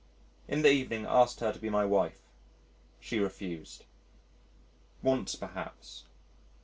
In the evening asked her to be my wife. She refused. Once perhaps